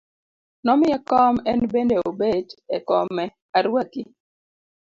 Nomiye kom en bende obet e kome, aruaki.